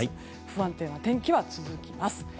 不安定な天気は続きます。